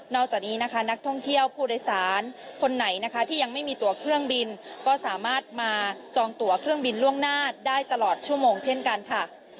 จากนี้นะคะนักท่องเที่ยวผู้โดยสารคนไหนนะคะที่ยังไม่มีตัวเครื่องบินก็สามารถมาจองตัวเครื่องบินล่วงหน้าได้ตลอดชั่วโมงเช่นกันค่ะ